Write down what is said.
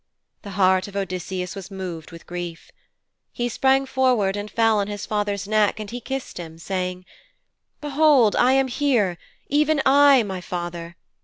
The heart of Odysseus was moved with grief. He sprang forward and fell on his father's neck and he kissed him, saying: 'Behold I am here, even I, my father.